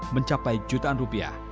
mencapai jutaan rupiah